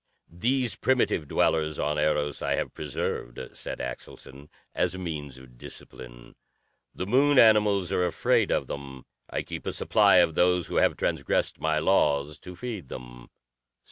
"These primitive dwellers on Eros I have preserved," said Axelson, "as a means of discipline. The Moon animals are afraid of them. I keep a supply of those who have transgressed my laws to feed them.